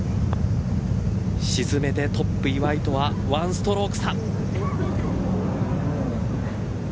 沈めてトップ岩井とは１ストローク差。